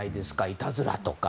いたずらとか。